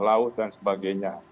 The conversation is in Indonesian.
laut dan sebagainya